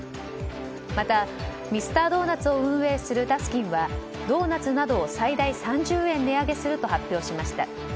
またミスタードーナツを運営するダスキンはドーナツなどを最大３０円値上げすると発表しました。